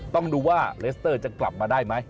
ต้องดูว่าเลสเตอร์จะกลับมาได้ไหม